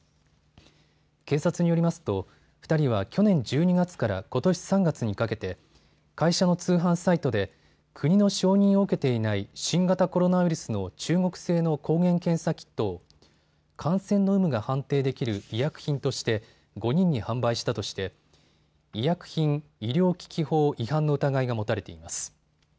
警察によりますと２人は去年１２月からことし３月にかけて会社の通販サイトで国の承認を受けていない新型コロナウイルスの中国製の抗原検査キットを感染の有無が判定できる医薬品として５人に販売したとして医薬品医療機器法違反の疑いが持たれています。